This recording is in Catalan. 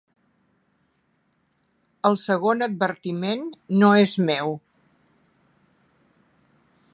El segon advertiment no és meu.